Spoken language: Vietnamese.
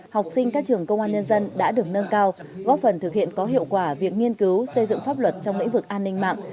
học sinh các trường công an nhân dân đã được nâng cao góp phần thực hiện có hiệu quả việc nghiên cứu xây dựng pháp luật trong lĩnh vực an ninh mạng